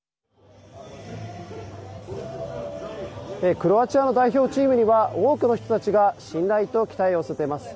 クロアチアの代表チームには多くの人たちが信頼と期待を寄せています。